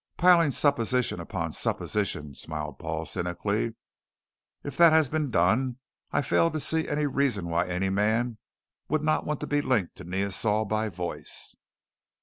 "Piling supposition upon supposition," smiled Paul, cynically, "if that has been done, I fail to see any reason why any man would not want to be linked to Neosol by voice."